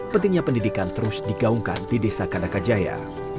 pentingnya pendidikan terus digaungkan di desa kandakajaya